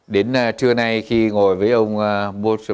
đến trưa nay khi ngồi với ông bolton brand